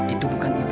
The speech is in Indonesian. itu bukan ibu